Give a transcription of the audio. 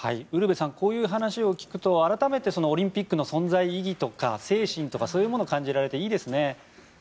ウルヴェさんこういう話を聞くと改めてオリンピックの存在意義とか精神とかそういうものが感じられていいですね。